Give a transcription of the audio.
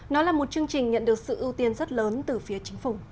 nó là một chương trình nhận được sự ưu tiên rất lớn từ phía chính phủ